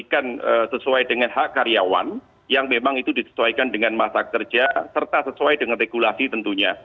begitulah tentu saja kita akan memberikan sesuai dengan hak karyawan yang memang itu disesuaikan dengan masyarakat kerja serta sesuai dengan regulasi tentunya